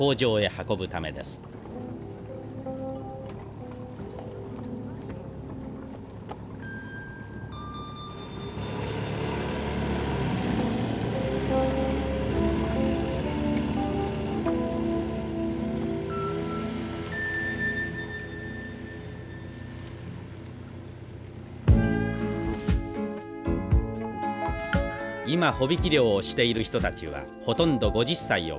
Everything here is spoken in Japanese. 今帆引き漁をしている人たちはほとんど５０歳を超えています。